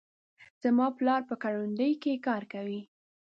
زما پلار په کروندې کې کار کوي.